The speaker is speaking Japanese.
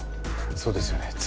そうですよね。